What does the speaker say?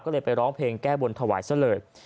ก็เลยไปร้องเพลงแก้บนถวายซะเลย